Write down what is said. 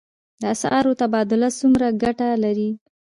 د اسعارو تبادله څومره ګټه لري؟